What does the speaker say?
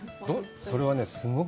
それはねすんごく